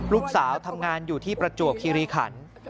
ลูกสาวทำงานอยู่ที่ประจวบคิริขัน